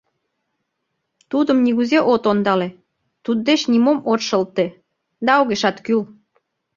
Тудым нигузе от ондале, туддеч нимом от шылте, да огешат кӱл.